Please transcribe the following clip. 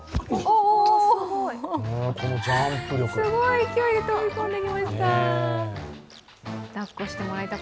すごい勢いで飛び込んできました。